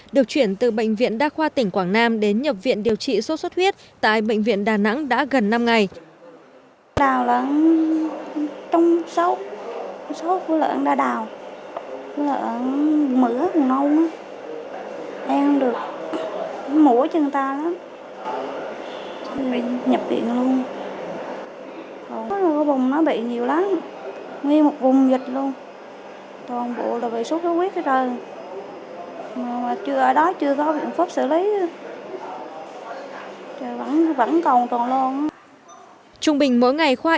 được chuyển từ bệnh viện đa khoa tỉnh quảng nam đến nhập viện điều trị sốt xuất huyết tại bệnh viện đà nẵng đã gần năm ngày